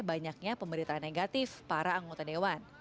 banyaknya pemberitaan negatif para anggota dewan